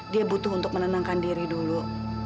dia butuh untuk menenangkan diri dulu